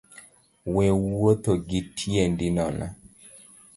We wuotho gi tiendi nono